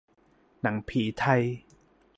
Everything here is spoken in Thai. หนังผีไทย